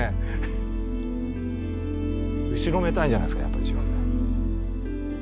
後ろめたいんじゃないんですかやっぱり。